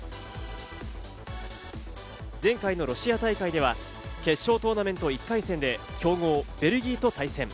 前回のロシア大会では決勝トーナメント１回戦で強豪・ベルギーと対戦。